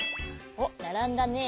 おっならんだね。